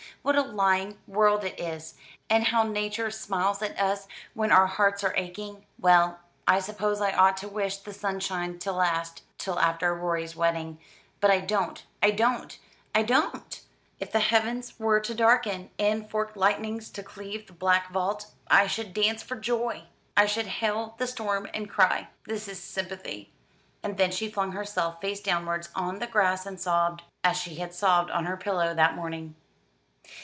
What a lying world it is, and how Nature smiles at us when our hearts are aching. Well, I suppose I ought to wish the sunshine to last till after Rorie's wedding; but I don't, I don't, I don't! If the heavens were to darken, and forked lightnings to cleave the black vault, I should dance for joy. I should hail the storm, and cry, 'This is sympathy!'" And then she flung herself face downwards on the grass and sobbed, as she had sobbed on her pillow that morning.